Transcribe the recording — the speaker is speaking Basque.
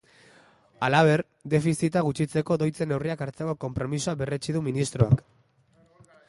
Halaber, defizita gutxitzeko doitze neurriak hartzeko konpromisoa berretsi du ministroak.